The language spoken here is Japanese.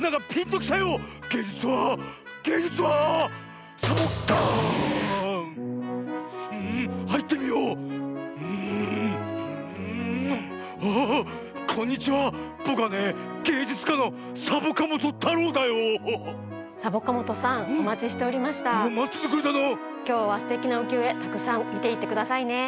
きょうはすてきなうきよえたくさんみていってくださいね。